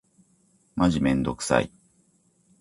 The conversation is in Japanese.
マジめんどくさい。